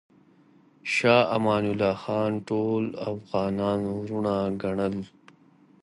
شاه امان الله خان ټول افغانان وروڼه ګڼل.